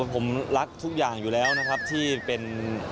ผมรักทุกอย่างอยู่แล้วนะครับที่เป็น